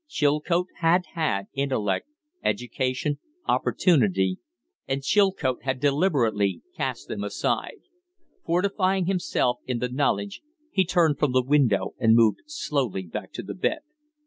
Chilcote had had intellect, education, opportunity, and Chilcote had deliberately cast them aside. Fortifying himself in the knowledge, he turned from the window and moved slowly back to the bed.